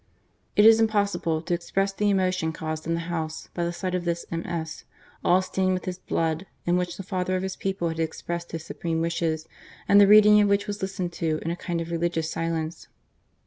It was impossible to express the emotion caused in the House by the sight of this MS., all stained with his blood, in which this father of his people had THE MOURNING. 309 expressed his supreme wishes, and the reading of which was listened to in a kind of religious silence.